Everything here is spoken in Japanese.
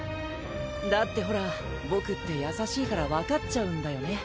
だってほらボクって優しいから分かっちゃうんだよね